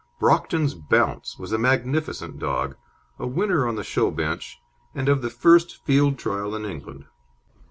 Brockton's Bounce was a magnificent dog, a winner on the show bench, and of the first Field Trial in England.